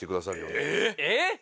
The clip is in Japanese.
「えっ！？」